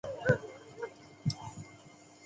完背鳞虫为多鳞虫科完背鳞虫属的动物。